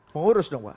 pengurus dong pak